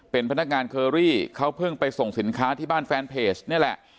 เป็นพนักงานเคอรี่เขาเพิ่งไปส่งสินค้าที่บ้านแฟนเพจนี่แหละ